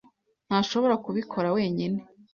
Ntashobora kubikora wenyine.